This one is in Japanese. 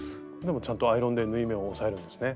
ちゃんとアイロンで縫い目を押さえるんですね。